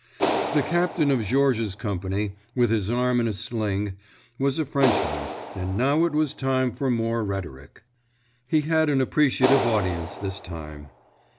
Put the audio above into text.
The captain of Georges's company, with his arm in a sling, was a Frenchman, and now it was time for more rhetoric. He had an appreciative audience, this time.